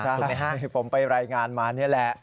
ใช่ครับผมไปรายงานมานี่แหละ